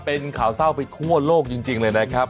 เป็นข่าวเศร้าไปทั่วโลกจริงเลยนะครับ